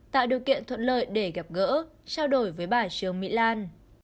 tạo điều kiện thuận lợi để gặp gỡ trao đổi với bà trương mỹ lan